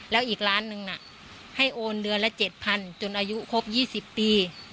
แล้วอีกล้านหนึ่งให้โอนเดือนละ๗๐๐จนอายุครบ๒๐ปี